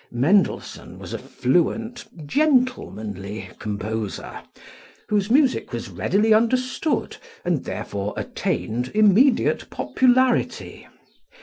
Mendelssohn was a fluent, gentlemanly composer, whose music was readily understood and therefore attained immediate popularity.